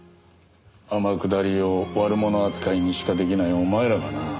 天下りを悪者扱いにしか出来ないお前らがな。